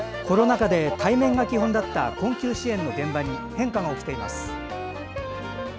コロナ禍で、対面が基本だった困窮支援の現場に変化が起きています。